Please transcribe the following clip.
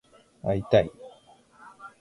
会いたい